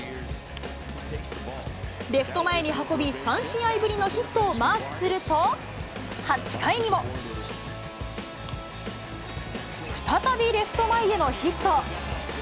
レフト前に運び、３試合ぶりのヒットをマークすると、８回にも。再びレフト前へのヒット。